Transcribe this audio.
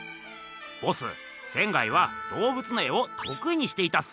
ボス仙は動物の絵をとくいにしていたっす。